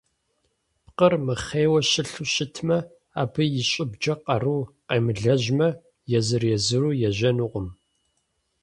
Пкъыр мыхъейуэ щылъу щытмэ, абы и щӏыбкӏэ къару къемылэжьмэ, езыр-езыру ежьэнукъым.